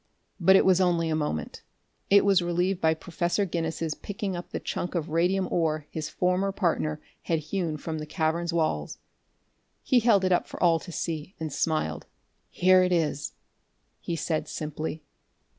But it was only a moment. It was relieved by Professor Guinness's picking up the chunk of radium ore his former partner had hewn from the cavern's wall. He held it up for all to see, and smiled. "Here it is," he said simply.